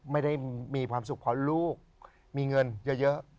ไม่ได้มีความสุขเพราะลูกมีเงินเยอะ